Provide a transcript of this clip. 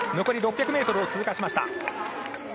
残り６００ｍを通過しました。